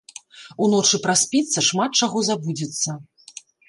Уночы праспіцца, шмат чаго забудзецца.